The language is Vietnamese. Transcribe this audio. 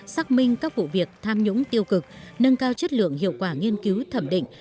xác minh các vụ việc tham nhũng tiêu cực nâng cao chất lượng hiệu quả nghiên cứu thẩm định